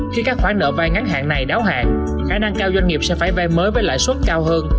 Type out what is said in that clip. khi các khoản nợ vai ngắn hạn này đáo hạn khả năng cao doanh nghiệp sẽ phải vay mới với lãi suất cao hơn